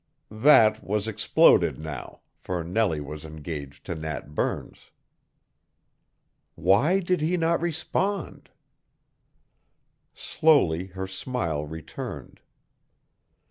That was exploded now, for Nellie was engaged to Nat Burns. Why did he not respond? Slowly her smile returned.